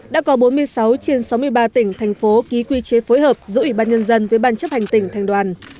đã có bốn mươi sáu trên sáu mươi ba tỉnh thành phố ký quy chế phối hợp giữa ủy ban nhân dân với ban chấp hành tỉnh thành đoàn